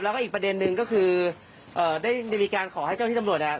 แล้วก็อีกประเด็นหนึ่งก็คือได้มีบิการขอให้เจ้าที่สำรวจนะครับ